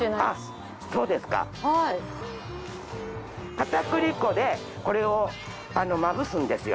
片栗粉でこれをまぶすんですよ。